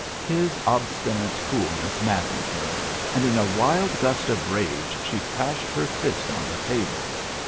His obstinate coolness maddened her, and in a wild gust of rage she crashed her fist on the table.